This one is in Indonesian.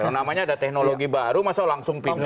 namanya ada teknologi baru masa langsung pindah